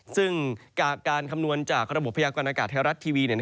ซึ่งการคำนวณจากระบบพยากรณากาศไทยรัฐทีวี